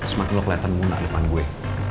semakin lo keliatan munda depan gue